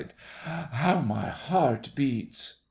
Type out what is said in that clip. How my heart beats!